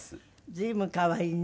随分可愛いね。